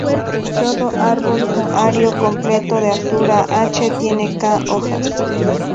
Todo árbol k-ario completo de altura "h" tiene "k" hojas.